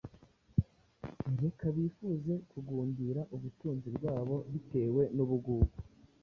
Reka bifuze kugundira ubutunzi bwabo bitewe n’ubugugu,